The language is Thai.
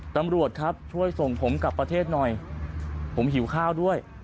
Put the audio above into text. ตำรวจครับช่วยส่งผมกลับประเทศหน่อยผมหิวข้าวด้วย